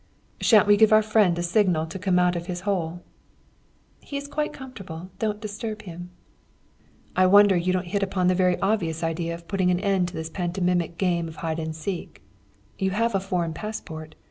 "Sha'n't we give our friend a signal to come out of his hole?" "He is quite comfortable don't disturb him." "I wonder you don't hit upon the very obvious idea of putting an end to this pantomimic game of hide and seek. You have a foreign passport.